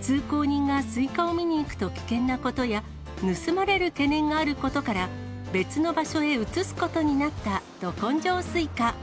通行人がスイカを見に行くと危険なことや、盗まれる懸念があることから、別の場所へ移すことになったど根性スイカ。